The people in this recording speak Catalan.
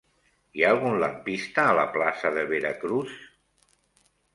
Hi ha algun lampista a la plaça de Veracruz?